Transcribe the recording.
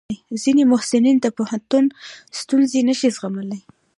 ځینې محصلین د پوهنتون ستونزې نشي زغملی.